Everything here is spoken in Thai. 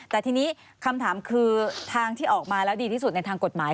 แต่ทีนี้คำถามคือทางที่ออกมาแล้วดีที่สุดในทางกฎหมาย